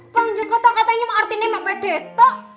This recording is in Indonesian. bangun kata katanya mah artinya mah pedeto